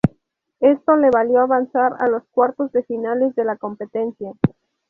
Esto le valió avanzar a los cuartos de finales de la competencia.